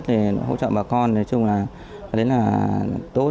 thì hỗ trợ bà con nói chung là đến là tốt